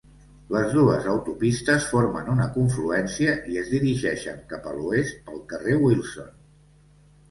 Les dues autopistes formen una confluència i es dirigeixen cap a l'oest pel carrer Wilson.